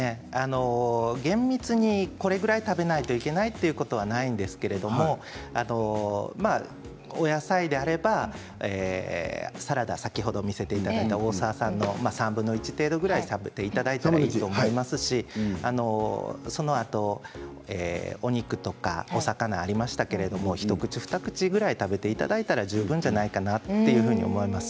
厳密にどれくらい食べなければいけないということはないんですけれどもお野菜であればサラダ先ほど見せていただいた大沢さんの３分の１程度を食べていただいていいと思いますし、そのあとお肉とかお魚がありましたけれども一口、二口食べていただいたら十分じゃないかなというふうに思います。